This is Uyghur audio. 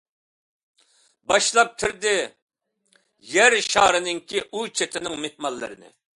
باشلاپ كىردى يەر شارىنىڭكى، ئۇ چېتىنىڭ مېھمانلىرىنى.